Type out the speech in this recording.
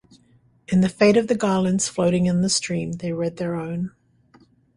In the fate of the garlands floating on the stream they read their own.